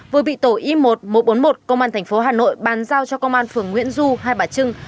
vừa bị tổ y một nghìn một trăm bốn mươi một công an tp hà nội bàn giao cho công an phường nguyễn du hai bà trưng